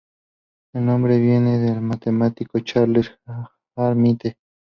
El nombre viene del matemático Charles Hermite.